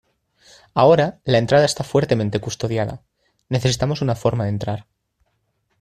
Ahora, la entrada está fuertemente custodiada. Necesitamos una forma de entrar .